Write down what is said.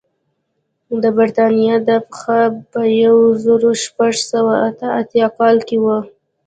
د برېټانیا دا پېښه په یو زرو شپږ سوه اته اتیا کال کې وه.